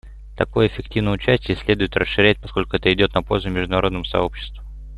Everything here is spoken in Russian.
Такое эффективное участие следует расширять, поскольку это идет на пользу международному сообществу.